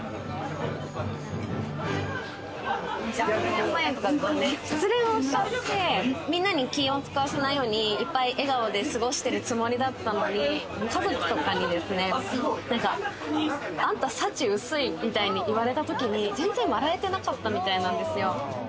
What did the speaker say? ３年前、失恋をしちゃって、皆に気を使わせないように笑顔で過ごしてるつもりだったのに、家族とかにあんた、幸薄いみたいに言われた時に全然笑えてなかったみたいなんですよ。